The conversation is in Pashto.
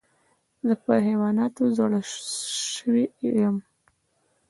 زه پر حیواناتو زړه سوى لرم.